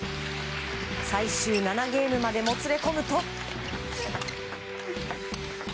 最終７ゲームまでもつれ込むと。